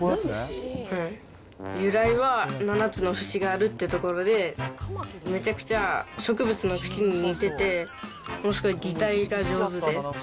由来は７つの節があるっていうところで、めちゃくちゃ植物の茎に似てて、すごい擬態が上手で。